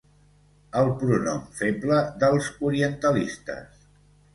El pronom feble dels orientalistes.